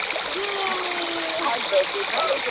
د درد ملا مـــاتـــه سوې ده د درد چـنـار چـپه سـو.